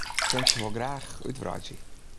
Frjentsjer wol graach útwreidzje.